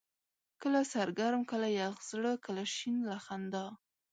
کله سر ګرم ، کله يخ زړه، کله شين له خندا